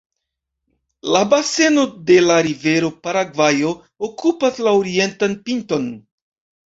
La baseno de la rivero Paragvajo okupas la orientan pinton.